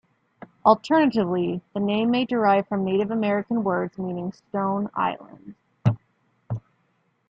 Alternatively, the name may derive from Native American words meaning "stone island".